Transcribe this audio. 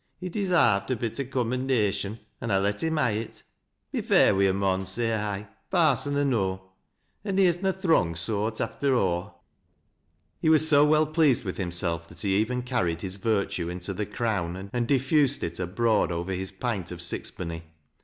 He desarved a bit o' commendation, an I let him ha' it. Be fair wi' a mon, Bay I, parson or no. An' he is na th' wrong sort, after aw." He was so well pleased with himself, that he even carried his virtue into The Crown, and diffused it abroad over his pint of sixpenny.